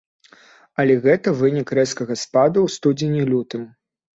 Але гэта вынік рэзкага спаду ў студзені-лютым.